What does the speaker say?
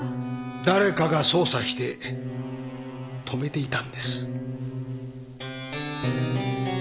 誰かが操作して止めていたんです。